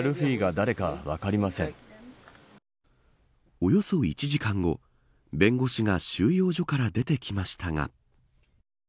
およそ１時間後弁護士が収容所から出てきましたが。